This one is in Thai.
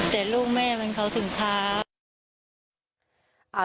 แต่ลูกแม่มันเขาถึงช้า